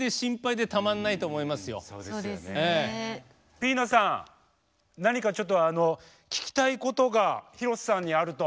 ぴぃなさん何かちょっとあの聞きたいことが広瀬さんにあると。